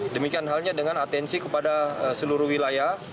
demikian halnya dengan atensi kepada seluruh wilayah